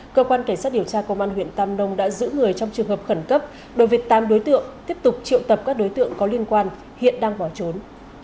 cơ quan cảnh sát điều tra công an huyện tam nông đã giữ người trong trường hợp khẩn cấp đối với tám đối tượng tiếp tục triệu tập các đối tượng có liên quan hiện đang bỏ trốn